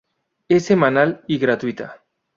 Es semanal y gratuita.